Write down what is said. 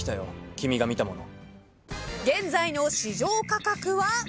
君が見たもの」